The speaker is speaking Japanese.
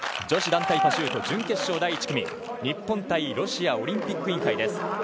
女子団体パシュート準決勝第１組日本対ロシアオリンピック委員会です。